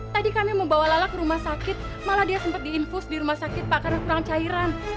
tadi kami membawa lala ke rumah sakit malah dia sempat diinfus di rumah sakit pak karena kurang cairan